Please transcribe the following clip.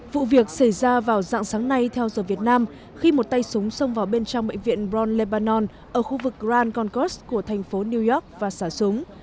vụ việc xảy ra vào dạng sáng nay theo giờ việt nam khi một tay súng xông vào bên trong bệnh viện brown lebanon ở khu vực grand concourse của thành phố new york và xả súng